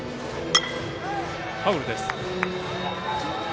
ファウルです。